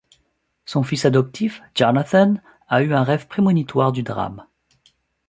Son fils adoptif, Jonathan, a eu un rêve prémonitoire du drame.